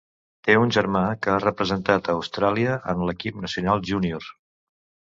Té un germà que ha representat a Austràlia en l'equip nacional junior.